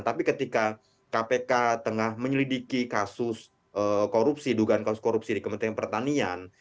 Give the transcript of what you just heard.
tapi ketika kpk tengah menyelidiki kasus korupsi dugaan kasus korupsi di kementerian pertanian